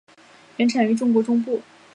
原产于中国中部。